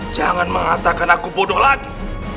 jangan mengatakan aku bodoh lagi